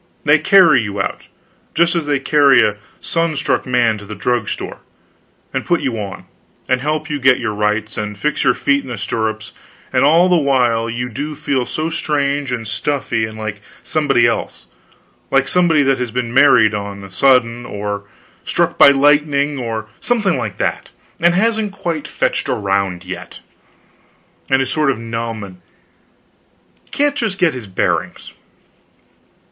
They carry you out, just as they carry a sun struck man to the drug store, and put you on, and help get you to rights, and fix your feet in the stirrups; and all the while you do feel so strange and stuffy and like somebody else like somebody that has been married on a sudden, or struck by lightning, or something like that, and hasn't quite fetched around yet, and is sort of numb, and can't just get his bearings.